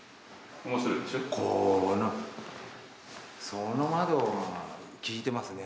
その窓が効いてますね。